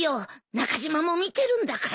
中島も見てるんだから。